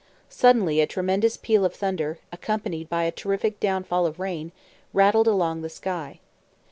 Suddenly, a tremendous peal of thunder, accompanied by a terrific downfall of rain, rattled along the sky.